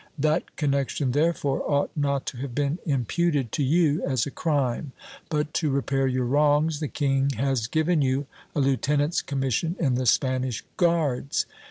That j connection, therefore, ought not to have been imputed to you as a crime; but, 4i 8 GIL BLAS. to repair your wrongs, the king has given you a lieutenant's commission in the Spanish guards.